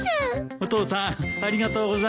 お父さんありがとうございます。